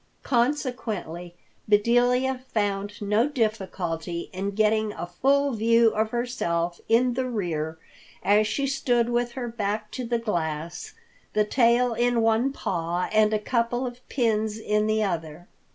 Consequently Bedelia found no difficulty in getting a full view of herself in the rear as she stood with her back to the glass, the tail in one paw and a couple of pins in the other.